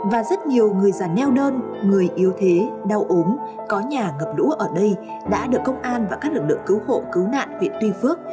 và rất nhiều người già neo đơn người yếu thế đau ốm có nhà ngập lũ ở đây đã được công an và các lực lượng cứu hộ cứu nạn huyện tuy phước